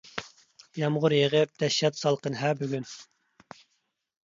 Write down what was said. يامغۇر يېغىپ دەھشەت سالقىن-ھە بۈگۈن.